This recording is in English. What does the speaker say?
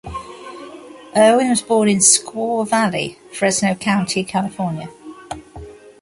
Erwin was born in Squaw Valley, Fresno County, California.